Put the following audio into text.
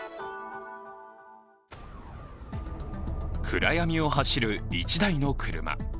暗闇を走る一台の車。